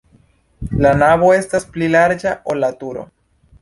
La navo estas pli larĝa, ol la turo.